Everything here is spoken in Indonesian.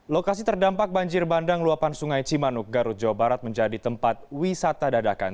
lokasi terdampak banjir bandang luapan sungai cimanuk garut jawa barat menjadi tempat wisata dadakan